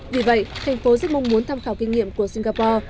vì vậy tp hcm rất mong muốn tham khảo kinh nghiệm của singapore